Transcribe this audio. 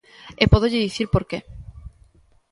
E pódolle dicir por que.